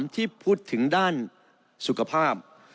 ที่พูดถึงด้านสุขภาพ